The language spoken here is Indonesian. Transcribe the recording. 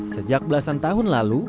sejak belasan tahun lalu